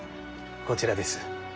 こちらです。